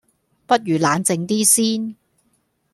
不如冷靜啲先